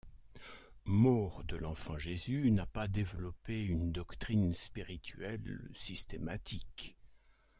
Maur de l'Enfant-Jésus n'a pas développé une doctrine spirituelle systématique.